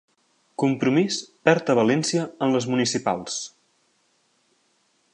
Compromís perd a València en les municipals